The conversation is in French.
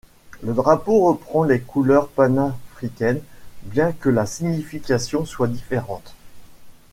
Le drapeau reprend les couleurs panafricaines, bien que la signification soit différente.